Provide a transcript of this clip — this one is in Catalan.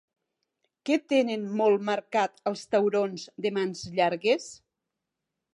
Què tenen molt marcat els taurons de mans llargues?